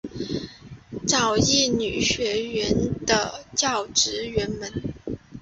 早乙女学园的教职员们。